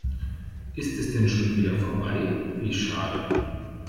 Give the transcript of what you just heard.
Ist es denn schon wieder vorbei, wie schade.